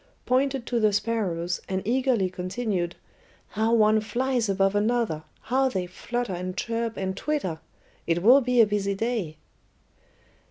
pointed to the sparrows, and eagerly continued: "How one flies above another! how they flutter and chirp and twitter! It will be a busy day."